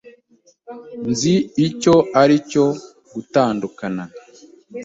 Nzi icyo ari cyo gutandukana.